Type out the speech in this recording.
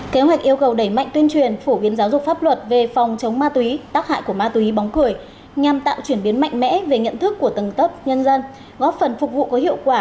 kế hoạch yêu cầu đẩy mạnh tuyên truyền phổ biến giáo dục pháp luật về phòng chống ma túy tác hại của ma túy bóng cười nhằm tạo chuyển biến mạnh mẽ về nhận thức của tầng tấp nhân dân góp phần phục vụ có hiệu quả